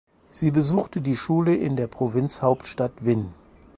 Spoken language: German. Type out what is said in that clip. Sie besuchte die Schule in der Provinzhauptstadt Vinh.